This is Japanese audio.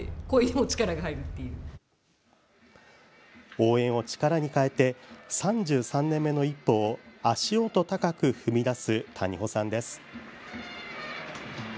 応援を力に変えて３３年目の一歩を足音高く踏み出す谷保さんです。